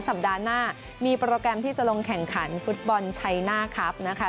สัปดาห์หน้ามีโปรแกรมที่จะลงแข่งขันฟุตบอลชัยหน้าครับนะคะ